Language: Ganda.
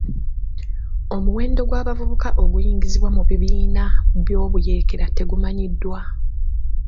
Omuwendo gw'abavubuka oguyingizibwa mu bibiina by'obuyeekera tegumanyiddwa.